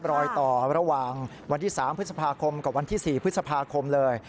รอยต่อระหว่างวันที่๓พฤษภาคมกับวันที่๔พฤษภาคมเลย